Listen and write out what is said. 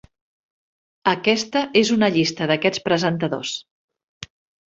Aquesta és una llista d'aquests presentadors.